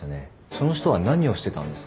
その人は何をしてたんですか？